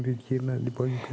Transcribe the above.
semoga allah memberi kemampuan